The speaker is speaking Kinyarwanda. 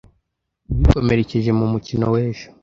Yikomerekeje mu mukino w'ejo.